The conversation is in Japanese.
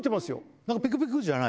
ピクピクじゃない。